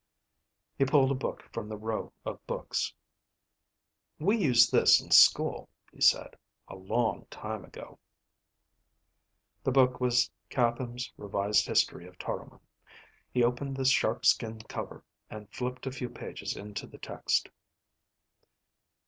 He pulled a book from the row of books. "We used this in school," he said. "A long time ago." The book was Catham's Revised History of Toromon. He opened the sharkskin cover and flipped a few pages into the text.